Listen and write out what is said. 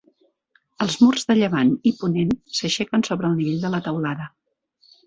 Els murs de llevant i ponent s'aixequen sobre el nivell de la teulada.